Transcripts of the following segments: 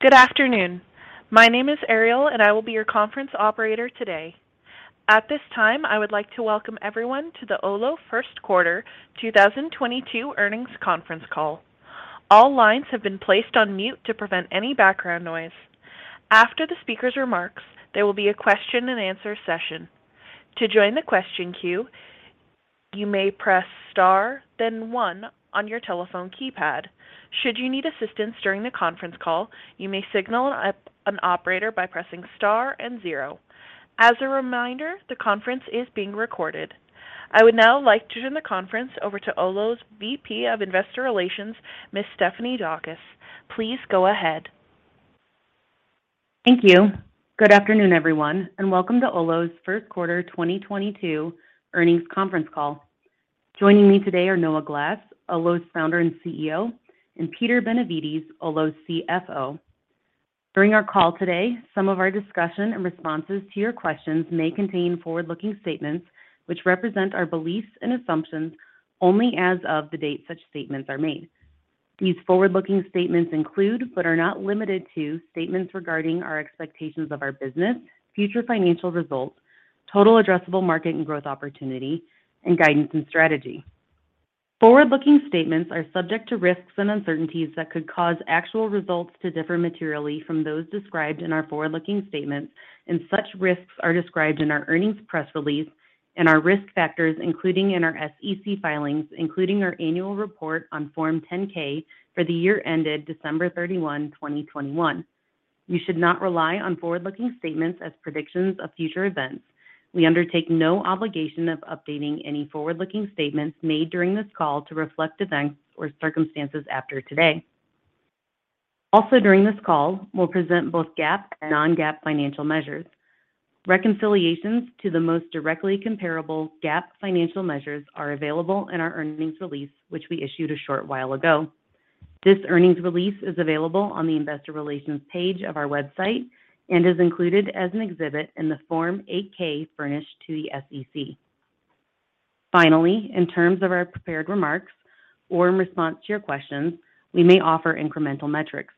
Good afternoon. My name is Ariel, and I will be your conference operator today. At this time, I would like to welcome everyone to the Olo first quarter 2022 earnings conference call. All lines have been placed on mute to prevent any background noise. After the speaker's remarks, there will be a question and answer session. To join the question queue, you may press star then one on your telephone keypad. Should you need assistance during the conference call, you may signal an operator by pressing star and zero. As a reminder, the conference is being recorded. I would now like to turn the conference over to Olo's VP of Investor Relations, Ms. Stephanie Daukus. Please go ahead. Thank you. Good afternoon, everyone, and welcome to Olo's first quarter 2022 earnings conference call. Joining me today are Noah Glass, Olo's Founder and CEO, and Peter Benevides, Olo's CFO. During our call today, some of our discussion and responses to your questions may contain forward-looking statements which represent our beliefs and assumptions only as of the date such statements are made. These forward-looking statements include, but are not limited to, statements regarding our expectations of our business, future financial results, total addressable market and growth opportunity, and guidance and strategy. Forward-looking statements are subject to risks and uncertainties that could cause actual results to differ materially from those described in our forward-looking statements, and such risks are described in our earnings press release and our risk factors, including in our SEC filings, including our annual report on Form 10-K for the year ended December 31, 2021. You should not rely on forward-looking statements as predictions of future events. We undertake no obligation of updating any forward-looking statements made during this call to reflect events or circumstances after today. Also during this call, we'll present both GAAP and non-GAAP financial measures. Reconciliations to the most directly comparable GAAP financial measures are available in our earnings release, which we issued a short while ago. This earnings release is available on the investor relations page of our website and is included as an exhibit in the Form 8-K furnished to the SEC. Finally, in terms of our prepared remarks or in response to your questions, we may offer incremental metrics.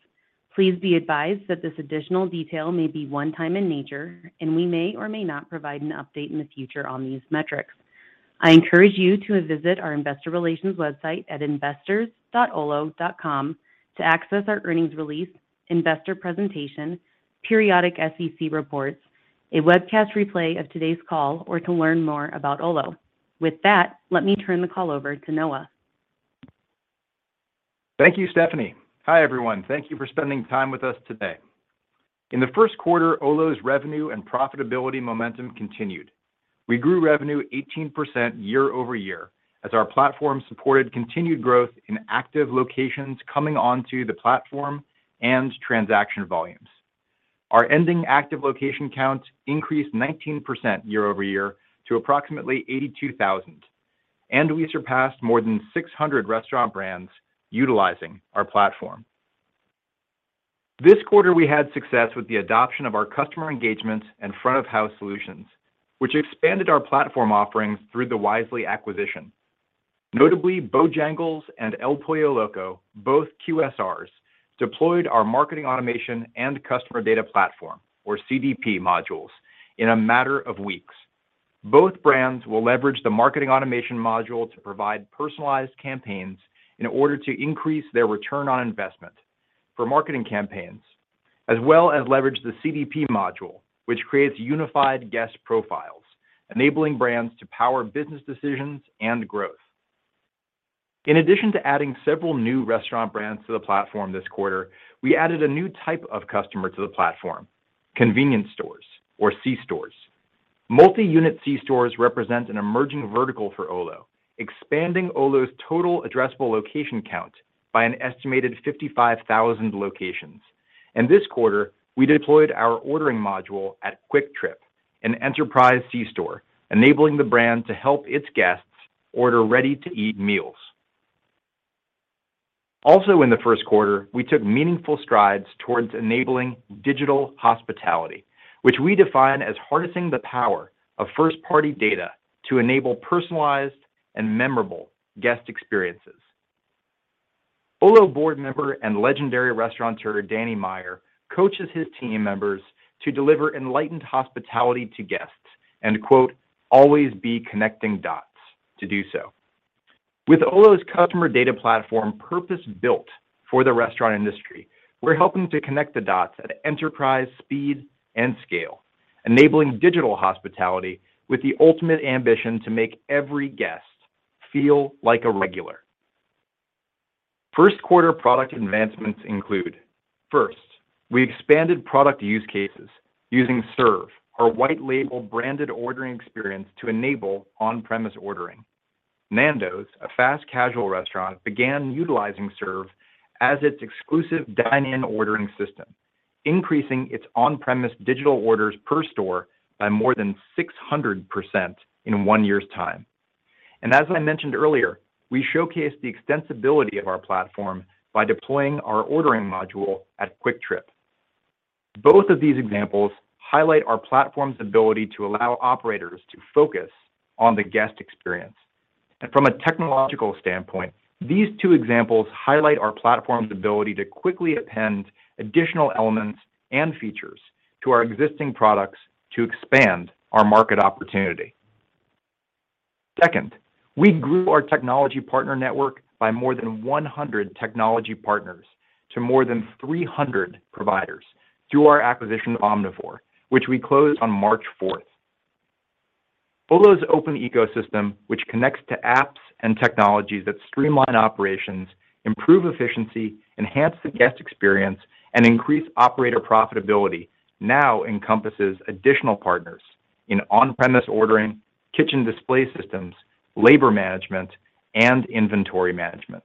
Please be advised that this additional detail may be one-time in nature, and we may or may not provide an update in the future on these metrics. I encourage you to visit our investor relations website at investors.olo.com to access our earnings release, investor presentation, periodic SEC reports, a webcast replay of today's call, or to learn more about Olo. With that, let me turn the call over to Noah. Thank you, Stephanie. Hi, everyone. Thank you for spending time with us today. In the first quarter, Olo's revenue and profitability momentum continued. We grew revenue 18% year-over-year as our platform supported continued growth in active locations coming onto the platform and transaction volumes. Our ending active location count increased 19% year-over-year to approximately 82,000, and we surpassed more than 600 restaurant brands utilizing our platform. This quarter, we had success with the adoption of our customer engagement and front-of-house solutions, which expanded our platform offerings through the Wisely acquisition. Notably, Bojangles and El Pollo Loco, both QSRs, deployed our marketing automation and customer data platform, or CDP modules, in a matter of weeks. Both brands will leverage the marketing automation module to provide personalized campaigns in order to increase their return on investment for marketing campaigns, as well as leverage the CDP module, which creates unified guest profiles, enabling brands to power business decisions and growth. In addition to adding several new restaurant brands to the platform this quarter, we added a new type of customer to the platform, convenience stores or c-stores. Multi-unit c-stores represent an emerging vertical for Olo, expanding Olo's total addressable location count by an estimated 55,000 locations. This quarter, we deployed our ordering module at Kwik Trip, an enterprise c-store, enabling the brand to help its guests order ready-to-eat meals. Also in the first quarter, we took meaningful strides towards enabling digital hospitality, which we define as harnessing the power of first-party data to enable personalized and memorable guest experiences. Olo board member and legendary restaurateur Danny Meyer coaches his team members to deliver enlightened hospitality to guests and, quote, "always be connecting dots to do so." With Olo's customer data platform purpose-built for the restaurant industry, we're helping to connect the dots at enterprise speed and scale, enabling digital hospitality with the ultimate ambition to make every guest feel like a regular. First quarter product advancements include, first, we expanded product use cases using Serve, our white label branded ordering experience, to enable on-premise ordering. Nando's, a fast casual restaurant, began utilizing Serve as its exclusive dine-in ordering system, increasing its on-premise digital orders per store by more than 600% in one year's time. As I mentioned earlier, we showcased the extensibility of our platform by deploying our ordering module at Kwik Trip. Both of these examples highlight our platform's ability to allow operators to focus on the guest experience. From a technological standpoint, these two examples highlight our platform's ability to quickly append additional elements and features to our existing products to expand our market opportunity. Second, we grew our technology partner network by more than 100 technology partners to more than 300 providers through our acquisition of Omnivore, which we closed on March fourth. Olo's open ecosystem, which connects to apps and technologies that streamline operations, improve efficiency, enhance the guest experience, and increase operator profitability, now encompasses additional partners in on-premise ordering, kitchen display systems, labor management, and inventory management.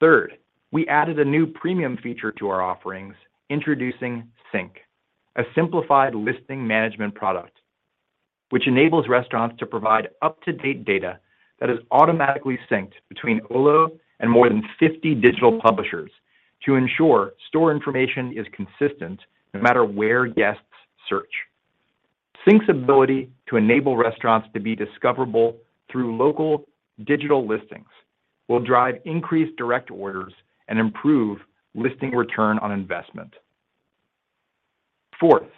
Third, we added a new premium feature to our offerings, introducing Sync, a simplified listing management product, which enables restaurants to provide up-to-date data that is automatically synced between Olo and more than 50 digital publishers to ensure store information is consistent no matter where guests search. Sync's ability to enable restaurants to be discoverable through local digital listings will drive increased direct orders and improve listing return on investment. Fourth,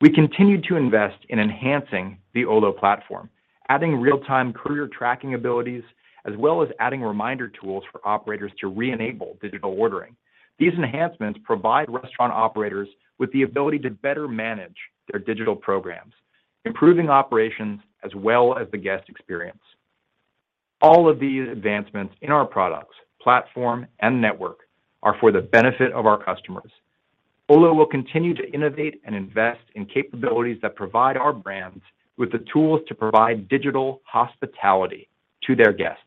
we continued to invest in enhancing the Olo platform, adding real-time courier tracking abilities, as well as adding reminder tools for operators to re-enable digital ordering. These enhancements provide restaurant operators with the ability to better manage their digital programs, improving operations as well as the guest experience. All of these advancements in our products, platform, and network are for the benefit of our customers. Olo will continue to innovate and invest in capabilities that provide our brands with the tools to provide digital hospitality to their guests.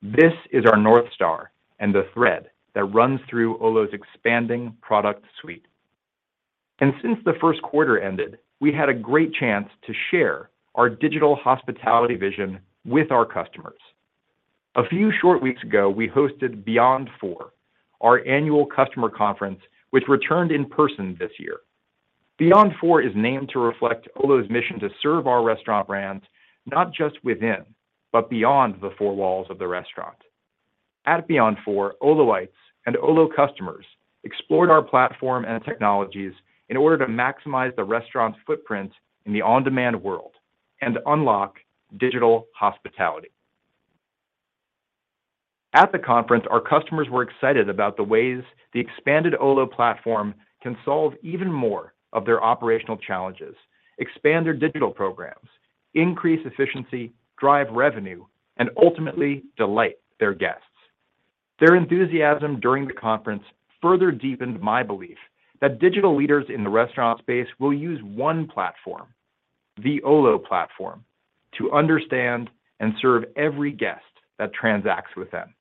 This is our North Star and the thread that runs through Olo's expanding product suite. Since the first quarter ended, we had a great chance to share our digital hospitality vision with our customers. A few short weeks ago, we hosted Beyond4, our annual customer conference, which returned in person this year. Beyond4 is named to reflect Olo's mission to serve our restaurant brands not just within, but beyond the four walls of the restaurant. At Beyond4, Oloites and Olo customers explored our platform and technologies in order to maximize the restaurant's footprint in the on-demand world and unlock digital hospitality. At the conference, our customers were excited about the ways the expanded Olo platform can solve even more of their operational challenges, expand their digital programs, increase efficiency, drive revenue, and ultimately delight their guests. Their enthusiasm during the conference further deepened my belief that digital leaders in the restaurant space will use one platform, the Olo platform, to understand and serve every guest that transacts with them.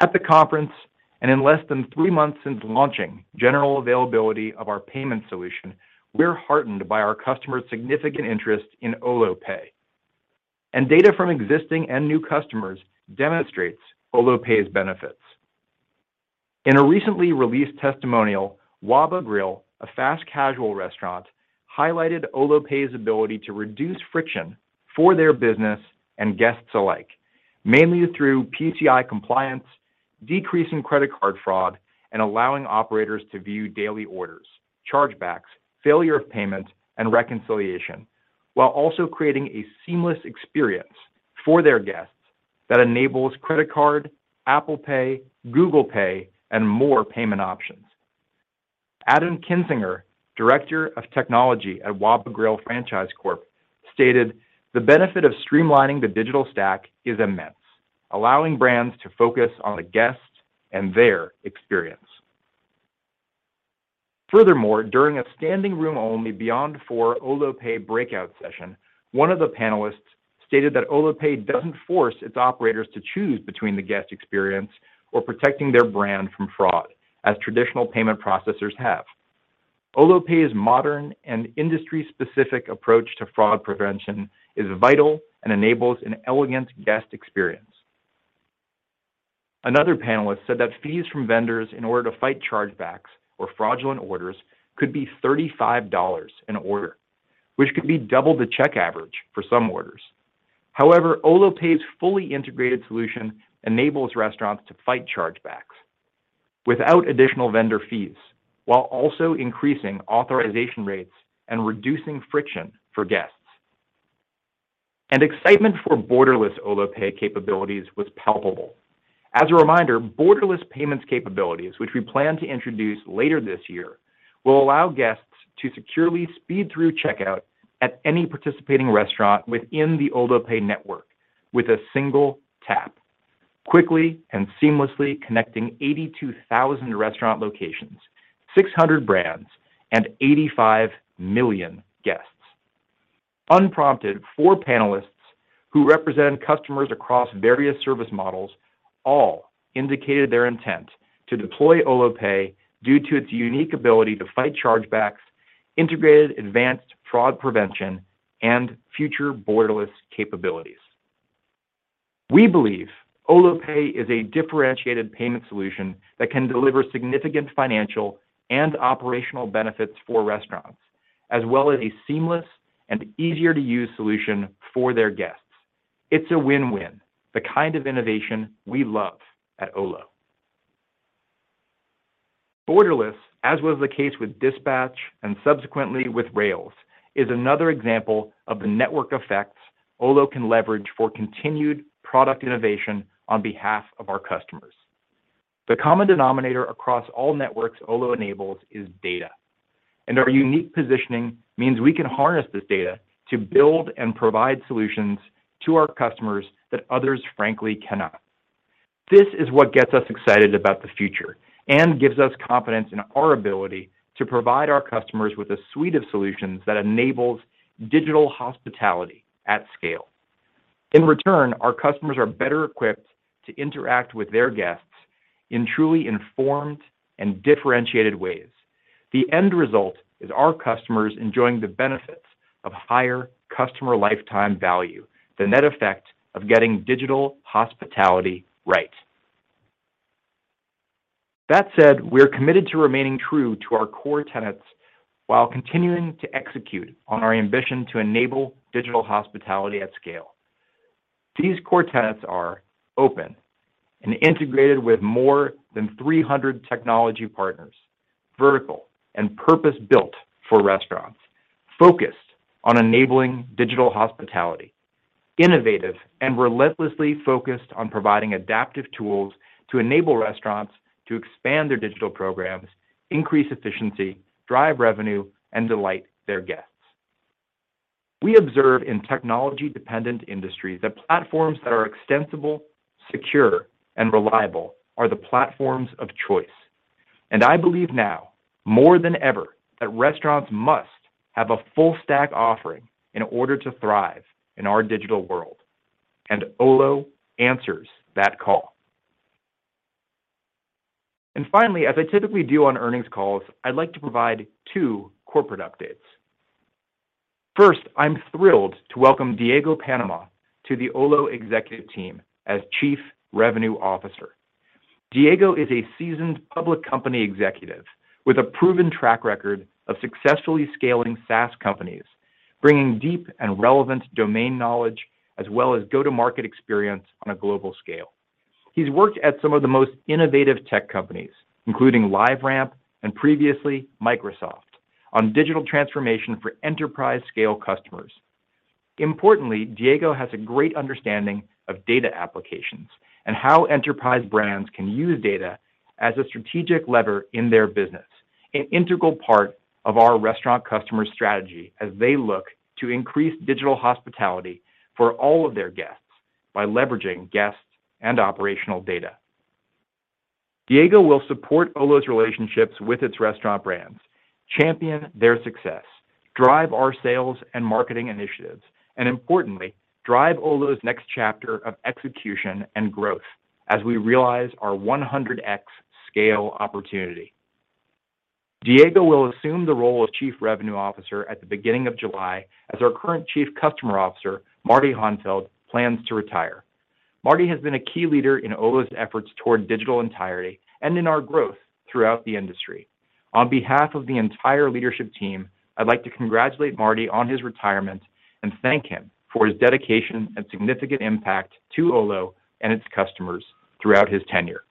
At the conference, and in less than three months since launching general availability of our payment solution, we're heartened by our customers' significant interest in Olo Pay. Data from existing and new customers demonstrates Olo Pay's benefits. In a recently released testimonial, WaBa Grill, a fast casual restaurant, highlighted Olo Pay's ability to reduce friction for their business and guests alike, mainly through PCI compliance, decreasing credit card fraud, and allowing operators to view daily orders, chargebacks, failure of payment, and reconciliation, while also creating a seamless experience for their guests that enables credit card, Apple Pay, Google Pay, and more payment options. Adam Kinsinger, Director of Technology at WaBa Grill Franchise Corp., stated, "The benefit of streamlining the digital stack is immense, allowing brands to focus on the guest and their experience." Furthermore, during a standing room only Beyond4 Olo Pay breakout session, one of the panelists stated that Olo Pay doesn't force its operators to choose between the guest experience or protecting their brand from fraud, as traditional payment processors have. Olo Pay's modern and industry-specific approach to fraud prevention is vital and enables an elegant guest experience. Another panelist said that fees from vendors in order to fight chargebacks or fraudulent orders could be $35 an order, which could be double the check average for some orders. However, Olo Pay's fully integrated solution enables restaurants to fight chargebacks without additional vendor fees, while also increasing authorization rates and reducing friction for guests. Excitement for Borderless Olo Pay capabilities was palpable. As a reminder, Borderless payments capabilities, which we plan to introduce later this year, will allow guests to securely speed through checkout at any participating restaurant within the Olo Pay network with a single tap, quickly and seamlessly connecting 82,000 restaurant locations, 600 brands, and 85 million guests. Unprompted, four panelists who represent customers across various service models all indicated their intent to deploy Olo Pay due to its unique ability to fight chargebacks, integrated advanced fraud prevention, and future borderless capabilities. We believe Olo Pay is a differentiated payment solution that can deliver significant financial and operational benefits for restaurants, as well as a seamless and easier to use solution for their guests. It's a win-win, the kind of innovation we love at Olo. Borderless, as was the case with Dispatch and subsequently with Rails, is another example of the network effects Olo can leverage for continued product innovation on behalf of our customers. The common denominator across all networks Olo enables is data, and our unique positioning means we can harness this data to build and provide solutions to our customers that others frankly cannot. This is what gets us excited about the future and gives us confidence in our ability to provide our customers with a suite of solutions that enables digital hospitality at scale. In return, our customers are better equipped to interact with their guests in truly informed and differentiated ways. The end result is our customers enjoying the benefits of higher customer lifetime value, the net effect of getting digital hospitality right. That said, we're committed to remaining true to our core tenets while continuing to execute on our ambition to enable digital hospitality at scale. These core tenets are open and integrated with more than 300 technology partners, vertical and purpose-built for restaurants, focused on enabling digital hospitality, innovative and relentlessly focused on providing adaptive tools to enable restaurants to expand their digital programs, increase efficiency, drive revenue, and delight their guests. We observe in technology-dependent industries that platforms that are extensible, secure, and reliable are the platforms of choice, and I believe now more than ever that restaurants must have a full stack offering in order to thrive in our digital world, and Olo answers that call. Finally, as I typically do on earnings calls, I'd like to provide two corporate updates. First, I'm thrilled to welcome Diego Panama to the Olo executive team as Chief Revenue Officer. Diego is a seasoned public company executive with a proven track record of successfully scaling SaaS companies, bringing deep and relevant domain knowledge as well as go-to-market experience on a global scale. He's worked at some of the most innovative tech companies, including LiveRamp and previously Microsoft, on digital transformation for enterprise scale customers. Importantly, Diego has a great understanding of data applications and how enterprise brands can use data as a strategic lever in their business, an integral part of our restaurant customer strategy as they look to increase digital hospitality for all of their guests by leveraging guest and operational data. Diego will support Olo's relationships with its restaurant brands, champion their success, drive our sales and marketing initiatives, and importantly, drive Olo's next chapter of execution and growth as we realize our 100x scale opportunity. Diego will assume the role of Chief Revenue Officer at the beginning of July as our current Chief Customer Officer, Marty Hahnfeld, plans to retire. Marty has been a key leader in Olo's efforts toward digital maturity and in our growth throughout the industry. On behalf of the entire leadership team, I'd like to congratulate Marty on his retirement and thank him for his dedication and significant impact to Olo and its customers throughout his tenure.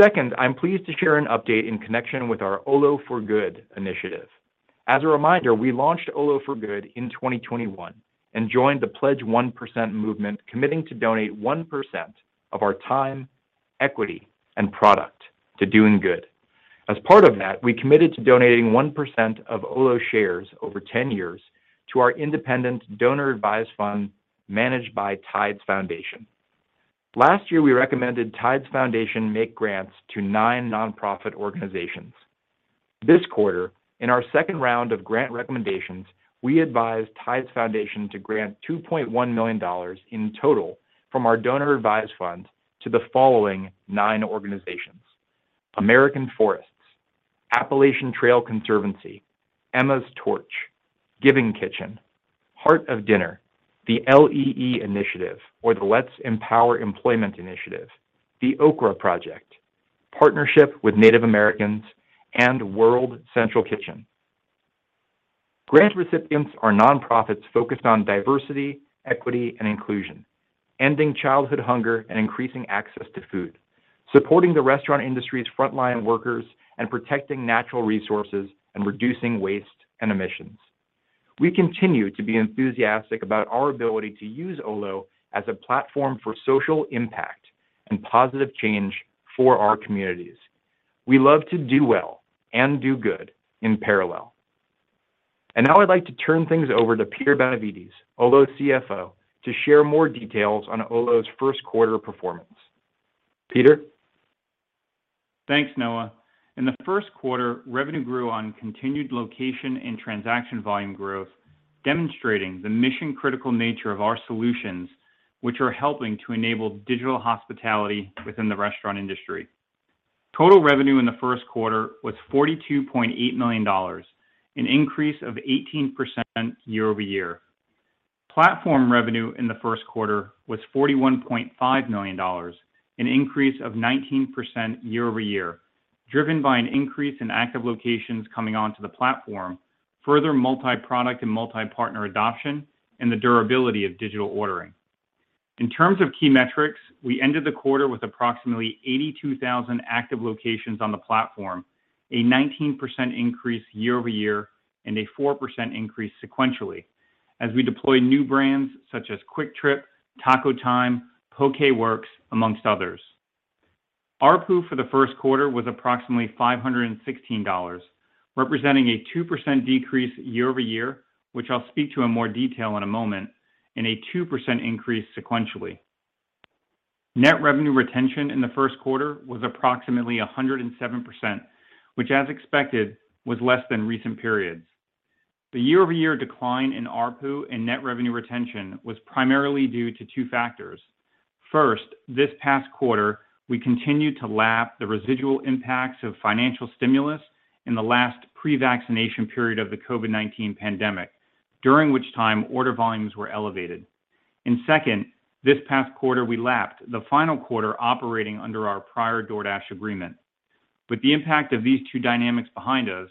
Second, I'm pleased to share an update in connection with our Olo For Good initiative. As a reminder, we launched Olo For Good in 2021 and joined the Pledge 1% movement, committing to donate 1% of our time, equity, and product to doing good. As part of that, we committed to donating 1% of Olo shares over 10 years to our independent donor-advised fund managed by Tides Foundation. Last year, we recommended Tides Foundation make grants to nine nonprofit organizations. This quarter, in our second round of grant recommendations, we advised Tides Foundation to grant $2.1 million in total from our donor-advised fund to the following nine organizations: American Forests, Appalachian Trail Conservancy, Emma's Torch, Giving Kitchen, Heart of Dinner, The LEE Initiative or the Let's Empower Employment Initiative, The Okra Project, Partnership With Native Americans, and World Central Kitchen. Grant recipients are nonprofits focused on diversity, equity and inclusion, ending childhood hunger and increasing access to food, supporting the restaurant industry's frontline workers and protecting natural resources and reducing waste and emissions. We continue to be enthusiastic about our ability to use Olo as a platform for social impact and positive change for our communities. We love to do well and do good in parallel. Now I'd like to turn things over to Peter Benevides, Olo's CFO, to share more details on Olo's first quarter performance. Peter? Thanks, Noah. In the first quarter, revenue grew on continued location and transaction volume growth, demonstrating the mission-critical nature of our solutions, which are helping to enable digital hospitality within the restaurant industry. Total revenue in the first quarter was $42.8 million, an increase of 18% year-over-year. Platform revenue in the first quarter was $41.5 million, an increase of 19% year-over-year, driven by an increase in active locations coming onto the platform, further multi-product and multi-partner adoption, and the durability of digital ordering. In terms of key metrics, we ended the quarter with approximately 82,000 active locations on the platform, a 19% increase year-over-year and a 4% increase sequentially as we deployed new brands such as Kwik Trip, TacoTime, Pokeworks, amongst others. ARPU for the first quarter was approximately 516, representing a 2% decrease year-over-year, which I'll speak to in more detail in a moment, and a 2% increase sequentially. Net revenue retention in the first quarter was approximately 107%, which as expected, was less than recent periods. The year-over-year decline in ARPU and net revenue retention was primarily due to two factors. First, this past quarter, we continued to lap the residual impacts of financial stimulus in the last pre-vaccination period of the COVID-19 pandemic, during which time order volumes were elevated. Second, this past quarter, we lapped the final quarter operating under our prior DoorDash agreement. With the impact of these two dynamics behind us,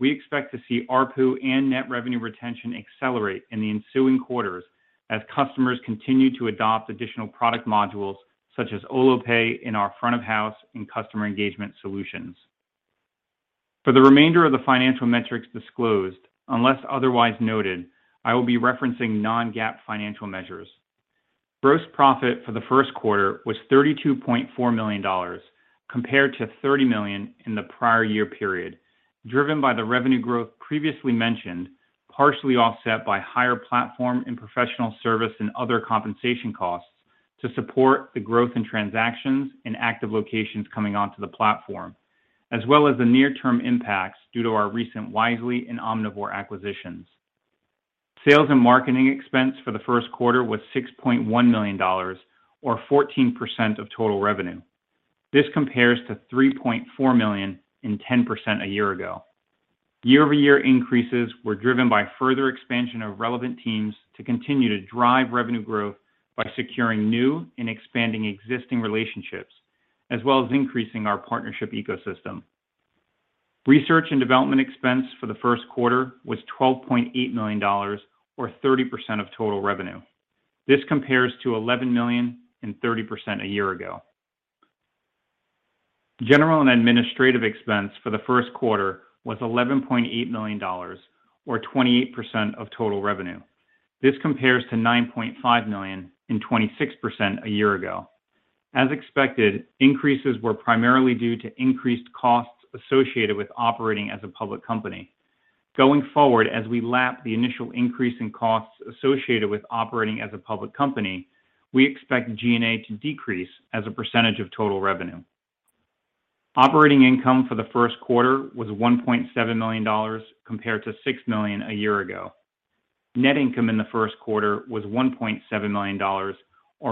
we expect to see ARPU and net revenue retention accelerate in the ensuing quarters as customers continue to adopt additional product modules such as Olo Pay in our front of house and customer engagement solutions. For the remainder of the financial metrics disclosed, unless otherwise noted, I will be referencing non-GAAP financial measures. Gross profit for the first quarter was $32.4 million compared to $30 million in the prior year period, driven by the revenue growth previously mentioned, partially offset by higher platform and professional service and other compensation costs to support the growth in transactions and active locations coming onto the platform, as well as the near-term impacts due to our recent Wisely and Omnivore acquisitions. Sales and marketing expense for the first quarter was $6.1 million or 14% of total revenue. This compares to $3.4 million, 10% a year ago. Year-over-year increases were driven by further expansion of relevant teams to continue to drive revenue growth by securing new and expanding existing relationships, as well as increasing our partnership ecosystem. Research and development expense for the first quarter was $12.8 million or 30% of total revenue. This compares to $11 million, 30% a year ago. General and administrative expense for the first quarter was $11.8 million or 28% of total revenue. This compares to $9.5 million, 26% a year ago. As expected, increases were primarily due to increased costs associated with operating as a public company. Going forward, as we lap the initial increase in costs associated with operating as a public company, we expect G&A to decrease as a percentage of total revenue. Operating income for the first quarter was $1.7 million compared to $6 million a year ago. Net income in the first quarter was $1.7 million or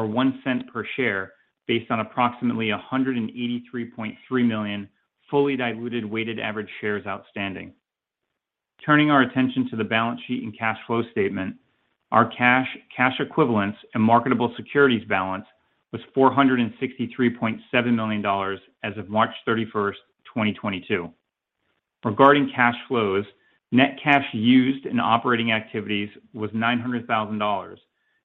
$0.01 per share based on approximately 183.3 million fully diluted weighted average shares outstanding. Turning our attention to the balance sheet and cash flow statement, our cash equivalents, and marketable securities balance was $463.7 million as of March 31, 2022. Regarding cash flows, net cash used in operating activities was $900,000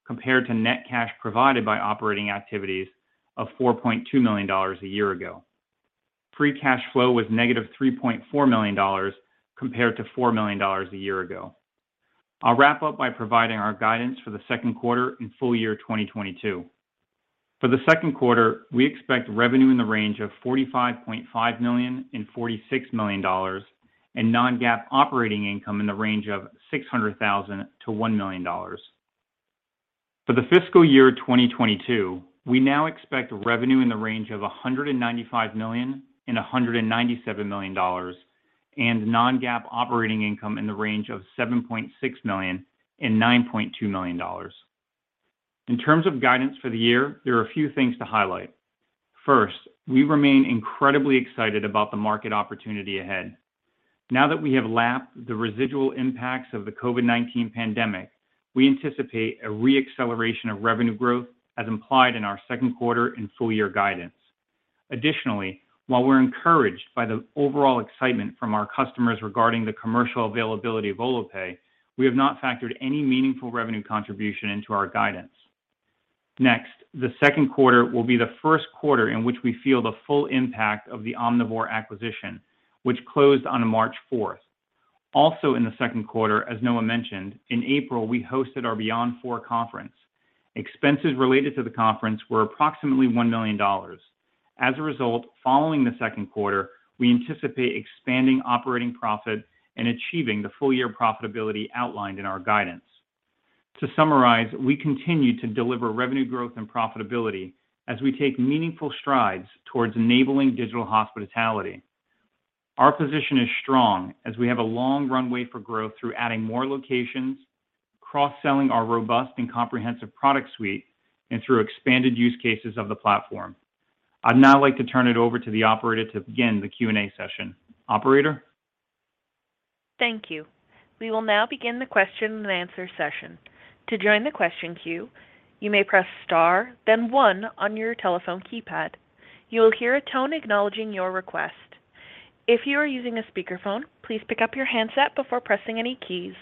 compared to net cash provided by operating activities of $4.2 million a year ago. Free cash flow was negative $3.4 million compared to $4 million a year ago. I'll wrap up by providing our guidance for the second quarter and full year 2022. For the second quarter, we expect revenue in the range of $45.5 million-$46 million and non-GAAP operating income in the range of $600,000-$1 million. For the fiscal year 2022, we now expect revenue in the range of $195 million-$197 million and non-GAAP operating income in the range of $7.6 million-$9.2 million. In terms of guidance for the year, there are a few things to highlight. First, we remain incredibly excited about the market opportunity ahead. Now that we have lapped the residual impacts of the COVID-19 pandemic, we anticipate a re-acceleration of revenue growth as implied in our second quarter and full year guidance. Additionally, while we're encouraged by the overall excitement from our customers regarding the commercial availability of Olo Pay, we have not factored any meaningful revenue contribution into our guidance. Next, the second quarter will be the first quarter in which we feel the full impact of the Omnivore acquisition, which closed on March fourth. Also in the second quarter, as Noah mentioned, in April, we hosted our Beyond4 conference. Expenses related to the conference were approximately $1 million. As a result, following the second quarter, we anticipate expanding operating profit and achieving the full year profitability outlined in our guidance. To summarize, we continue to deliver revenue growth and profitability as we take meaningful strides towards enabling digital hospitality. Our position is strong as we have a long runway for growth through adding more locations, cross-selling our robust and comprehensive product suite, and through expanded use cases of the platform. I'd now like to turn it over to the operator to begin the Q&A session. Operator? Thank you. We will now begin the question and answer session. To join the question queue, you may press star then one on your telephone keypad. You will hear a tone acknowledging your request. If you are using a speakerphone, please pick up your handset before pressing any keys.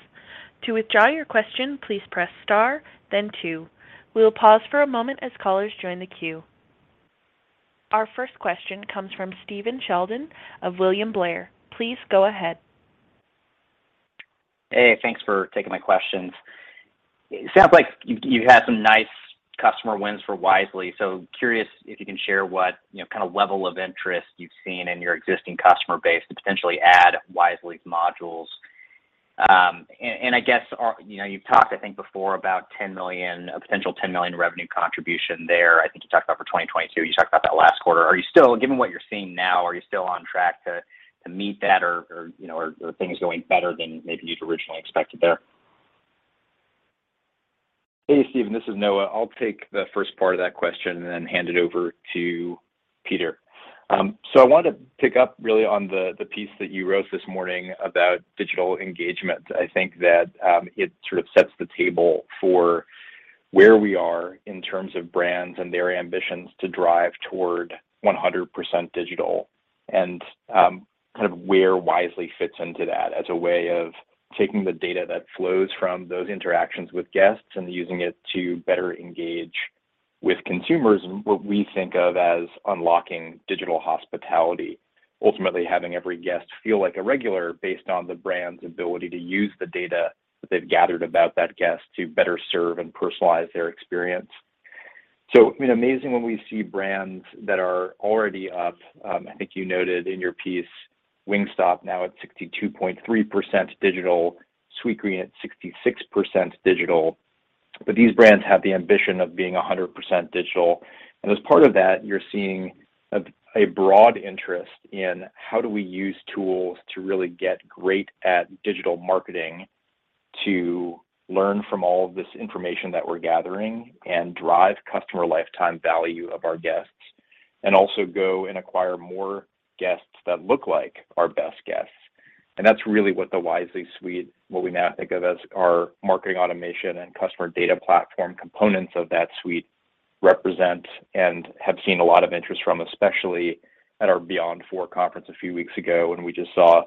To withdraw your question, please press star then two. We will pause for a moment as callers join the queue. Our first question comes from Stephen Sheldon of William Blair. Please go ahead. Hey, thanks for taking my questions. It sounds like you had some nice customer wins for Wisely. So curious if you can share what, you know, kind of level of interest you've seen in your existing customer base to potentially add Wisely's modules. And I guess, you know, you've talked, I think, before about $10 million, a potential $10 million revenue contribution there, I think you talked about for 2022. You talked about that last quarter. Are you still, given what you're seeing now, on track to meet that or, you know, are things going better than maybe you'd originally expected there? Hey, Stephen, this is Noah. I'll take the first part of that question and then hand it over to Peter. So I wanted to pick up really on the piece that you wrote this morning about digital engagement. I think that it sort of sets the table for where we are in terms of brands and their ambitions to drive toward 100% digital and kind of where Wisely fits into that as a way of taking the data that flows from those interactions with guests and using it to better engage with consumers, and what we think of as unlocking digital hospitality. Ultimately, having every guest feel like a regular based on the brand's ability to use the data they've gathered about that guest to better serve and personalize their experience. You know, amazing when we see brands that are already up. I think you noted in your piece, Wingstop now at 62.3% digital, Sweetgreen at 66% digital, but these brands have the ambition of being 100% digital. As part of that, you're seeing a broad interest in how do we use tools to really get great at digital marketing to learn from all of this information that we're gathering and drive customer lifetime value of our guests, and also go and acquire more guests that look like our best guests. That's really what the Wisely suite, what we now think of as our marketing automation and customer data platform components of that suite represent and have seen a lot of interest from, especially at our Beyond4 conference a few weeks ago when we just saw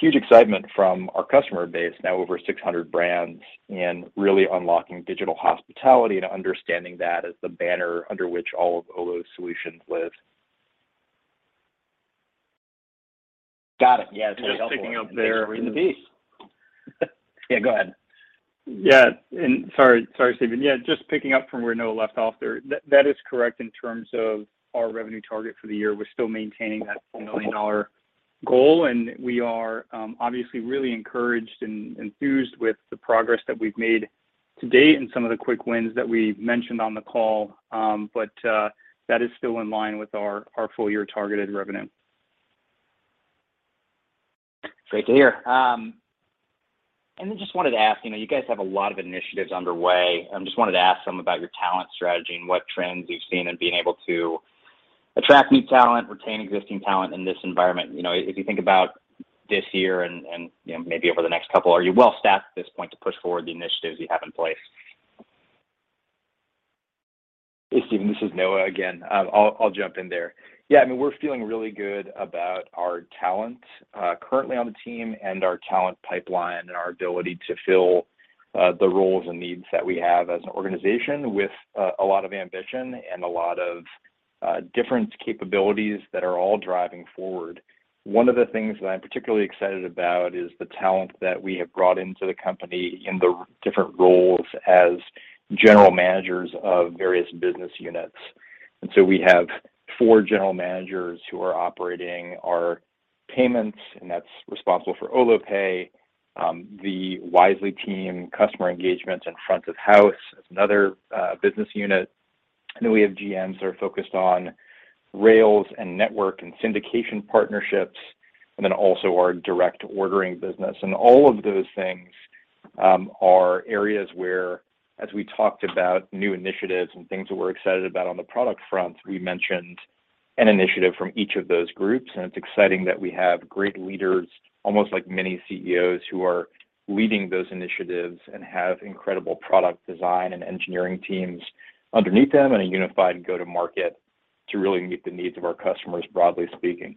huge excitement from our customer base, now over 600 brands, in really unlocking digital hospitality and understanding that as the banner under which all of Olo's solutions live. Got it. Yeah, that's really helpful. Just picking up there. Thanks for reading the piece. Yeah, go ahead. Yeah, sorry, Stephen. Yeah, just picking up from where Noah left off there. That is correct in terms of our revenue target for the year. We're still maintaining that $10 million goal, and we are obviously really encouraged and enthused with the progress that we've made to date and some of the quick wins that we mentioned on the call. But that is still in line with our full year targeted revenue. Great to hear. Just wanted to ask, you know, you guys have a lot of initiatives underway. Just wanted to ask some about your talent strategy and what trends you've seen in being able to attract new talent, retain existing talent in this environment. You know, if you think about this year and, you know, maybe over the next couple. Are you well-staffed at this point to push forward the initiatives you have in place? Hey, Stephen, this is Noah again. I'll jump in there. Yeah, I mean, we're feeling really good about our talent currently on the team and our talent pipeline and our ability to fill the roles and needs that we have as an organization with a lot of ambition and a lot of different capabilities that are all driving forward. One of the things that I'm particularly excited about is the talent that we have brought into the company in the different roles as general managers of various business units. We have 4 general managers who are operating our payments, and that's responsible for Olo Pay. The Wisely team, customer engagement, and front of house is another business unit. We have GMs that are focused on Rails and network and syndication partnerships, and then also our direct ordering business. All of those things are areas where, as we talked about new initiatives and things that we're excited about on the product front, we mentioned an initiative from each of those groups. It's exciting that we have great leaders, almost like mini CEOs, who are leading those initiatives and have incredible product design and engineering teams underneath them, and a unified go-to-market to really meet the needs of our customers, broadly speaking.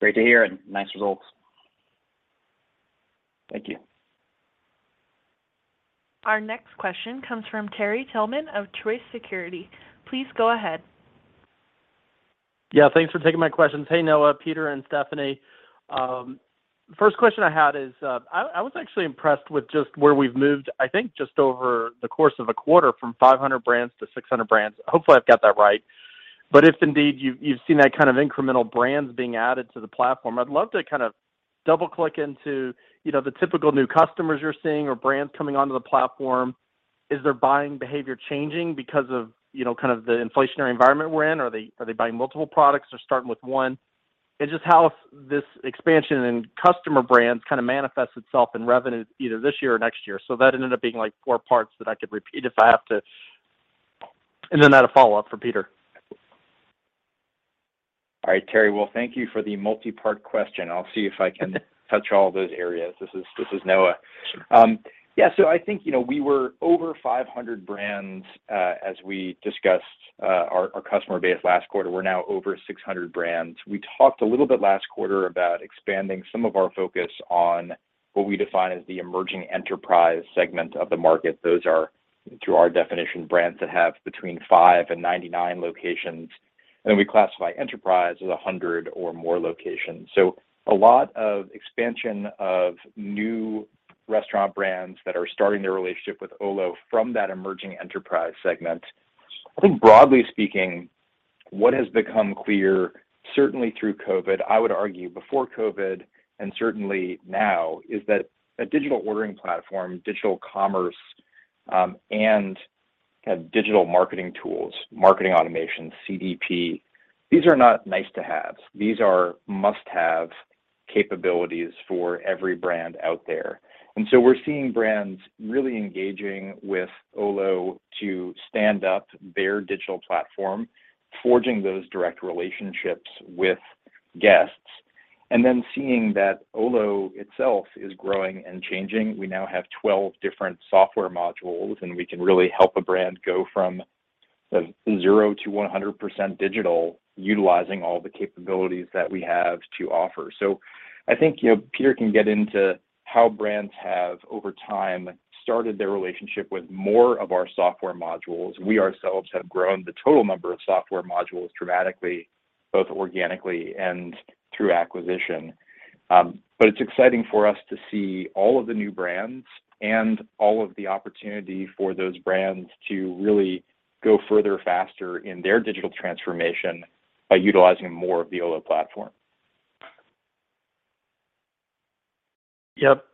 Great to hear, and nice results. Thank you. Our next question comes from Terry Tillman of Truist Securities. Please go ahead. Yeah, thanks for taking my questions. Hey, Noah, Peter, and Stephanie. First question I had is, I was actually impressed with just where we've moved, I think just over the course of a quarter from 500 brands to 600 brands. Hopefully, I've got that right. But if indeed you've seen that kind of incremental brands being added to the platform, I'd love to kind of double-click into, you know, the typical new customers you're seeing or brands coming onto the platform. Is their buying behavior changing because of, you know, kind of the inflationary environment we're in? Are they buying multiple products or starting with one? And just how this expansion in customer brands kind of manifests itself in revenue either this year or next year. So that ended up being like four parts that I could repeat if I have to. I had a follow-up for Peter Benevides. All right, Terry. Well, thank you for the multi-part question. I'll see if I can touch all those areas. This is Noah. I think, you know, we were over 500 brands, as we discussed our customer base last quarter. We're now over 600 brands. We talked a little bit last quarter about expanding some of our focus on what we define as the emerging enterprise segment of the market. Those are, through our definition, brands that have between 5 and 99 locations, and we classify enterprise as 100 or more locations. A lot of expansion of new restaurant brands that are starting their relationship with Olo from that emerging enterprise segment. I think broadly speaking, what has become clear, certainly through COVID, I would argue before COVID and certainly now, is that a digital ordering platform, digital commerce, and kind of digital marketing tools, marketing automation, CDP, these are not nice-to-haves. These are must-have capabilities for every brand out there. We're seeing brands really engaging with Olo to stand up their digital platform, forging those direct relationships with guests, and then seeing that Olo itself is growing and changing. We now have 12 different software modules, and we can really help a brand go from zero to 100% digital utilizing all the capabilities that we have to offer. I think, you know, Peter can get into how brands have over time started their relationship with more of our software modules. We ourselves have grown the total number of software modules dramatically, both organically and through acquisition. It's exciting for us to see all of the new brands and all of the opportunity for those brands to really go further, faster in their digital transformation by utilizing more of the Olo platform. Yep,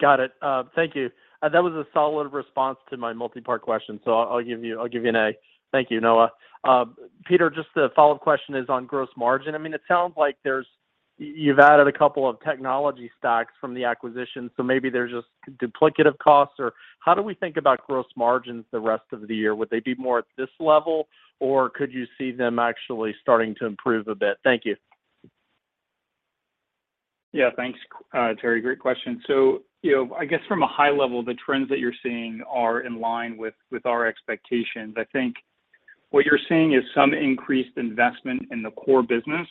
got it. Thank you. That was a solid response to my multi-part question, so I'll give you an A. Thank you, Noah. Peter, just the follow-up question is on gross margin. I mean, it sounds like there's, you've added a couple of technology stacks from the acquisition, so maybe there's just duplicative costs or how do we think about gross margins the rest of the year? Would they be more at this level or could you see them actually starting to improve a bit? Thank you. Yeah, thanks, Terry. Great question. So, you know, I guess from a high level, the trends that you're seeing are in line with our expectations. I think what you're seeing is some increased investment in the core business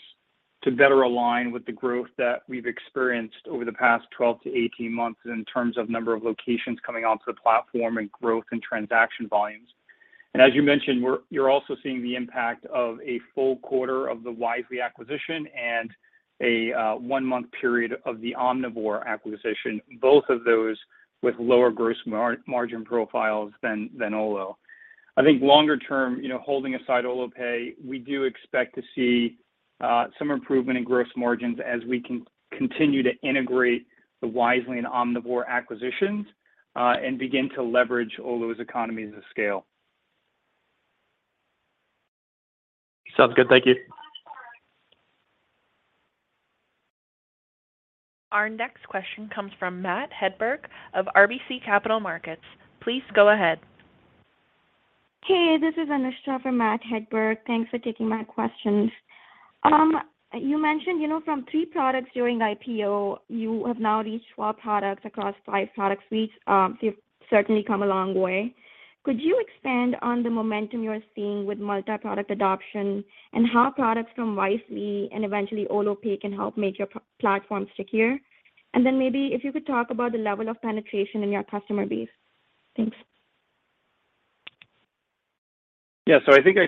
to better align with the growth that we've experienced over the past 12-18 months in terms of number of locations coming onto the platform and growth in transaction volumes. As you mentioned, you're also seeing the impact of a full quarter of the Wisely acquisition and a 1-month period of the Omnivore acquisition, both of those with lower gross margin profiles than Olo. I think longer term, you know, holding aside Olo Pay, we do expect to see some improvement in gross margins as we continue to integrate the Wisely and Omnivore acquisitions and begin to leverage Olo's economies of scale. Sounds good. Thank you. Our next question comes from Matt Hedberg of RBC Capital Markets. Please go ahead. Hey, this is Anusha for Matt Hedberg. Thanks for taking my questions. You mentioned, you know, from three products during IPO, you have now reached four products across five product suites. So you've certainly come a long way. Could you expand on the momentum you're seeing with multi-product adoption and how products from Wisely and eventually Olo Pay can help make your platform stickier? Maybe if you could talk about the level of penetration in your customer base. Thanks. This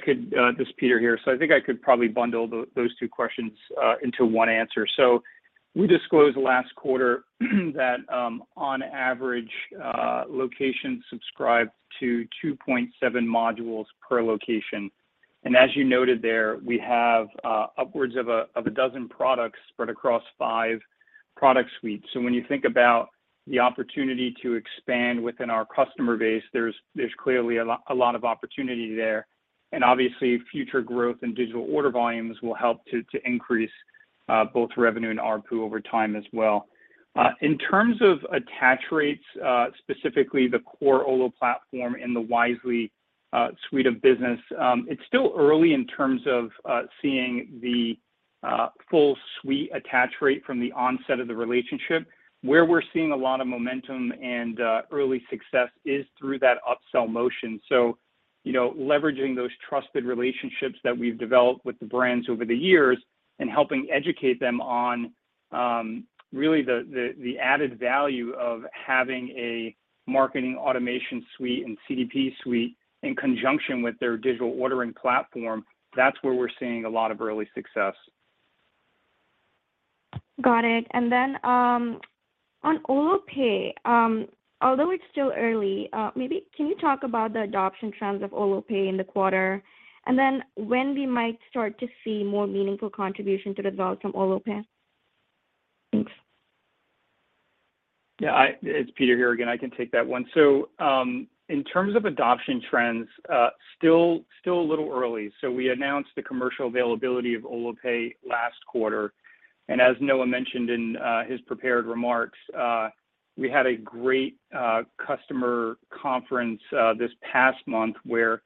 is Peter here. I think I could probably bundle those two questions into one answer. We disclosed last quarter that, on average, locations subscribe to 2.7 modules per location. As you noted there, we have upwards of a dozen products spread across five product suites. When you think about the opportunity to expand within our customer base, there's clearly a lot of opportunity there. Obviously, future growth in digital order volumes will help to increase both revenue and ARPU over time as well. In terms of attach rates, specifically the core Olo platform and the Wisely suite of business, it's still early in terms of seeing the full suite attach rate from the onset of the relationship. Where we're seeing a lot of momentum and early success is through that upsell motion. You know, leveraging those trusted relationships that we've developed with the brands over the years and helping educate them on really the added value of having a marketing automation suite and CDP suite in conjunction with their digital ordering platform, that's where we're seeing a lot of early success. Got it. On Olo Pay, although it's still early, maybe can you talk about the adoption trends of Olo Pay in the quarter? When we might start to see more meaningful contribution to the results from Olo Pay? Thanks. Yeah, it's Peter here again. I can take that one. In terms of adoption trends, still a little early. We announced the commercial availability of Olo Pay last quarter. As Noah mentioned in his prepared remarks, we had a great customer conference this past month where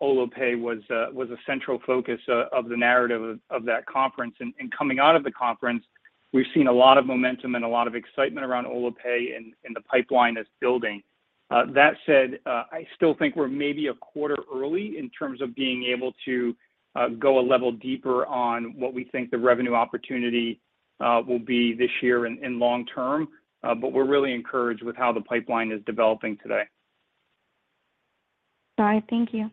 Olo Pay was a central focus of the narrative of that conference. Coming out of the conference, we've seen a lot of momentum and a lot of excitement around Olo Pay and the pipeline is building. That said, I still think we're maybe a quarter early in terms of being able to go a level deeper on what we think the revenue opportunity will be this year and long term. We're really encouraged with how the pipeline is developing today. Got it. Thank you.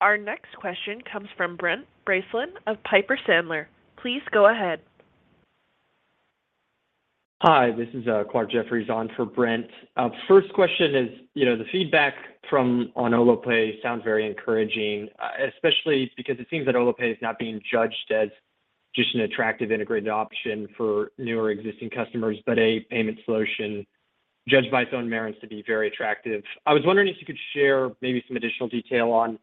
Our next question comes from Brent Bracelin of Piper Sandler. Please go ahead. Hi, this is Clarke Jeffries on for Brent. First question is, you know, the feedback on Olo Pay sounds very encouraging, especially because it seems that Olo Pay is not being judged as just an attractive integrated option for new or existing customers, but a payment solution judged by its own merits to be very attractive. I was wondering if you could share maybe some additional detail on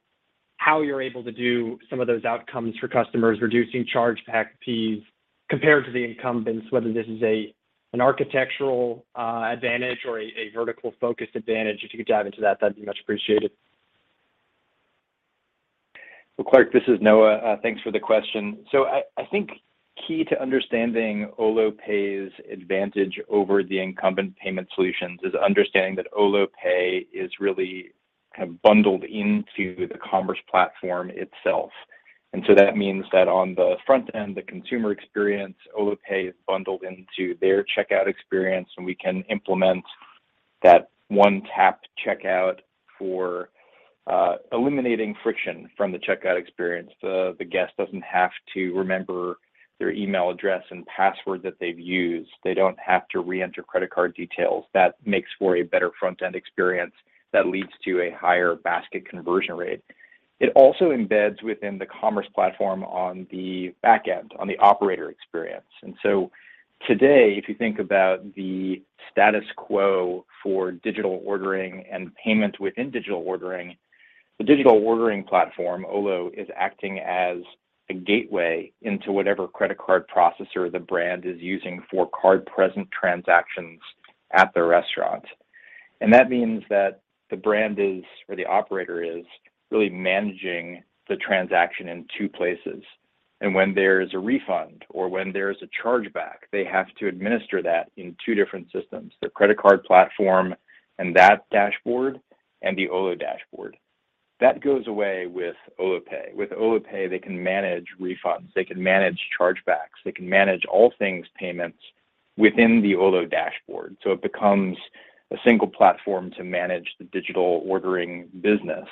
how you're able to do some of those outcomes for customers, reducing chargeback fees compared to the incumbents, whether this is an architectural advantage or a vertical focus advantage. If you could dive into that'd be much appreciated. Well, Clarke, this is Noah. Thanks for the question. I think key to understanding Olo Pay's advantage over the incumbent payment solutions is understanding that Olo Pay is really kind of bundled into the commerce platform itself. That means that on the front end, the consumer experience, Olo Pay is bundled into their checkout experience, and we can implement that one-tap checkout for eliminating friction from the checkout experience. The guest doesn't have to remember their email address and password that they've used. They don't have to re-enter credit card details. That makes for a better front-end experience that leads to a higher basket conversion rate. It also embeds within the commerce platform on the back end, on the operator experience. Today, if you think about the status quo for digital ordering and payment within digital ordering, the digital ordering platform, Olo, is acting as a gateway into whatever credit card processor the brand is using for card-present transactions at the restaurant. That means that the brand is, or the operator is really managing the transaction in two places. When there's a refund or when there's a chargeback, they have to administer that in two different systems, the credit card platform and that dashboard and the Olo dashboard. That goes away with Olo Pay. With Olo Pay, they can manage refunds, they can manage chargebacks, they can manage all things payments within the Olo dashboard, so it becomes a single platform to manage the digital ordering business.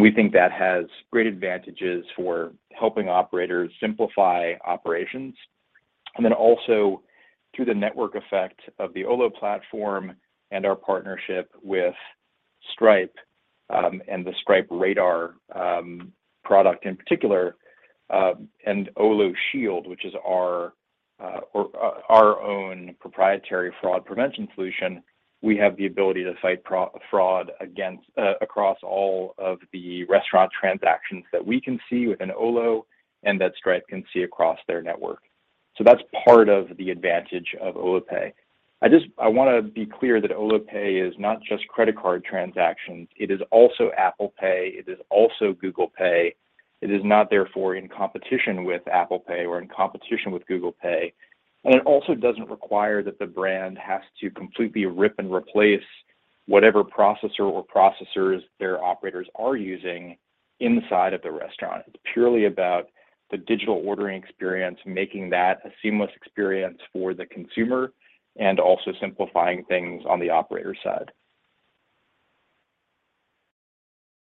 We think that has great advantages for helping operators simplify operations. Also through the network effect of the Olo platform and our partnership with Stripe, and the Stripe Radar product in particular, and Olo Shield, which is our own proprietary fraud prevention solution, we have the ability to fight fraud across all of the restaurant transactions that we can see within Olo and that Stripe can see across their network. That's part of the advantage of Olo Pay. I want to be clear that Olo Pay is not just credit card transactions. It is also Apple Pay. It is also Google Pay. It is not therefore in competition with Apple Pay or in competition with Google Pay. It also doesn't require that the brand has to completely rip and replace whatever processor or processors their operators are using inside of the restaurant. It's purely about the digital ordering experience, making that a seamless experience for the consumer and also simplifying things on the operator side.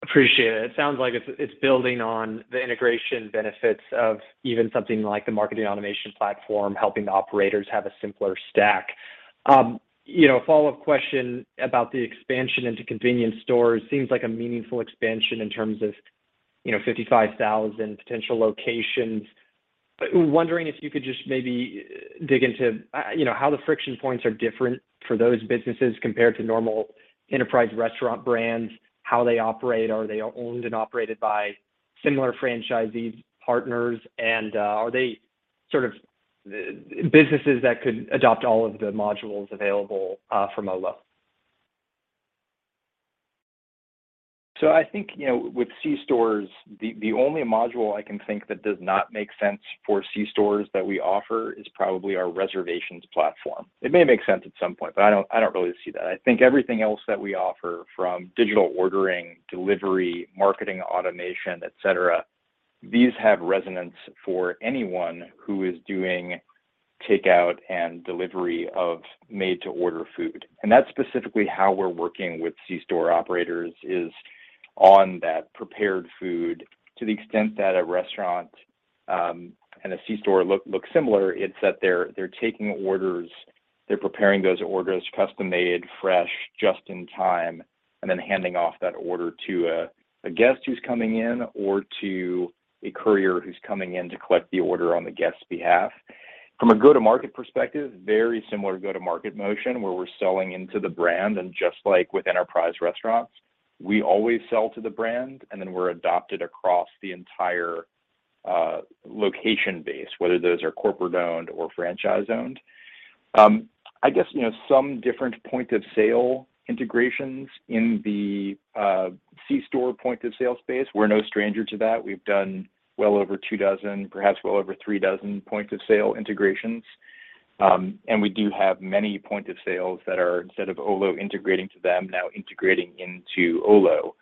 Appreciate it. It sounds like it's building on the integration benefits of even something like the marketing automation platform, helping the operators have a simpler stack. You know, a follow-up question about the expansion into convenience stores. Seems like a meaningful expansion in terms of, you know, 55,000 potential locations. Wondering if you could just maybe dig into, you know, how the friction points are different for those businesses compared to normal enterprise restaurant brands, how they operate. Are they owned and operated by similar franchisees, partners, and are they sort of businesses that could adopt all of the modules available from Olo? I think, you know, with C-stores, the only module I can think that does not make sense for C-stores that we offer is probably our reservations platform. It may make sense at some point, but I don't really see that. I think everything else that we offer from digital ordering, delivery, marketing automation, et cetera, these have resonance for anyone who is doing takeout and delivery of made-to-order food. That's specifically how we're working with C-store operators is on that prepared food. To the extent that a restaurant and a C-store look similar, it's that they're taking orders. They're preparing those orders custom-made, fresh, just in time, and then handing off that order to a guest who's coming in or to a courier who's coming in to collect the order on the guest's behalf. From a go-to-market perspective, very similar go-to-market motion where we're selling into the brand and just like with enterprise restaurants, we always sell to the brand, and then we're adopted across the entire location base, whether those are corporate-owned or franchise-owned. I guess, you know, some different point of sale integrations in the C-store point of sale space. We're no stranger to that. We've done well over two dozen, perhaps well over three dozen point of sale integrations. And we do have many point of sales that are instead of Olo integrating to them, now integrating into Olo.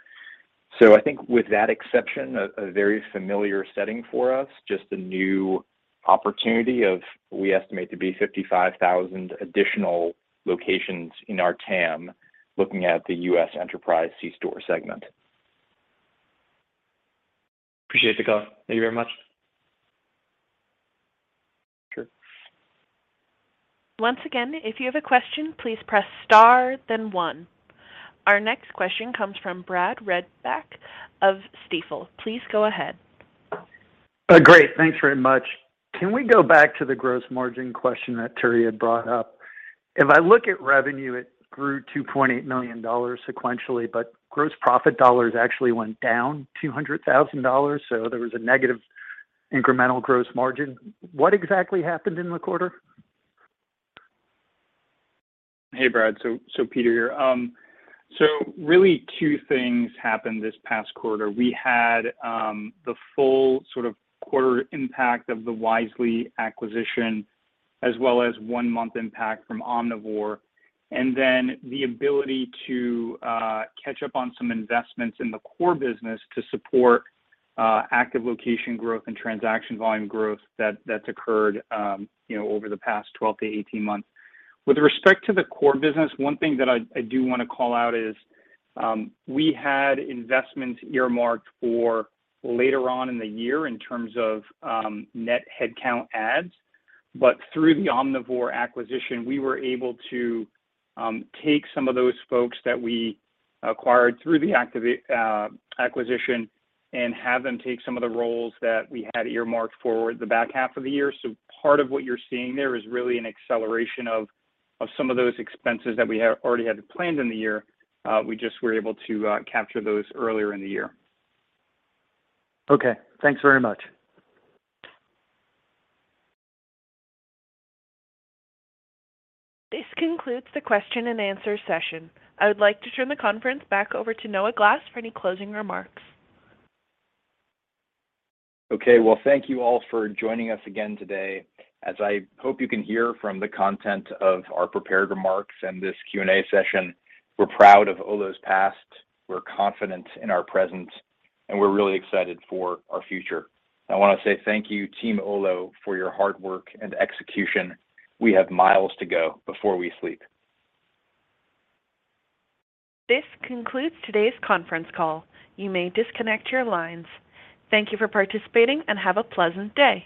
So I think with that exception, a very familiar setting for us, just a new opportunity of we estimate to be 55,000 additional locations in our TAM looking at the US enterprise C-store segment. Appreciate the call. Thank you very much. Sure. Once again, if you have a question, please press star then one. Our next question comes from Brad Reback of Stifel. Please go ahead. Great. Thanks very much. Can we go back to the gross margin question that Terry had brought up? If I look at revenue, it grew $2.8 million sequentially, but gross profit dollars actually went down $200 thousand, so there was a negative incremental gross margin. What exactly happened in the quarter? Hey, Brad. Peter Benevides here. Really, two things happened this past quarter. We had the full sort of quarter impact of the Wisely acquisition as well as 1 month impact from Omnivore, and then the ability to catch up on some investments in the core business to support active location growth and transaction volume growth that's occurred, you know, over the past 12-18 months. With respect to the core business, one thing that I do wanna call out is we had investments earmarked for later on in the year in terms of net headcount adds. Through the Omnivore acquisition, we were able to take some of those folks that we acquired through the acquisition and have them take some of the roles that we had earmarked for the back half of the year. Part of what you're seeing there is really an acceleration of some of those expenses that we had already had planned in the year. We just were able to capture those earlier in the year. Okay. Thanks very much. This concludes the question and answer session. I would like to turn the conference back over to Noah Glass for any closing remarks. Okay. Well, thank you all for joining us again today. As I hope you can hear from the content of our prepared remarks and this Q&A session, we're proud of Olo's past, we're confident in our present, and we're really excited for our future. I wanna say thank you, team Olo, for your hard work and execution. We have miles to go before we sleep. This concludes today's conference call. You may disconnect your lines. Thank you for participating, and have a pleasant day.